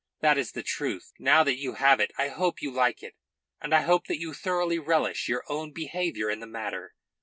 That is the truth. Now that you have it I hope you like it, and I hope that you thoroughly relish your own behaviour in the matter."